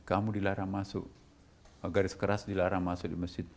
kamu dilarang masuk garis keras dilarang masuk di masjid